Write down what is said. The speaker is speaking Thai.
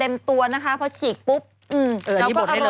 อ่านได้คะตาหนูแล้วเหรอ